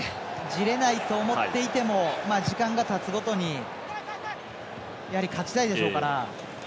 じれないと思っていても時間がたつごとに勝ちたいでしょうから。